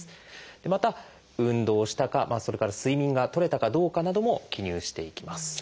また運動したかそれから睡眠がとれたかどうかなども記入していきます。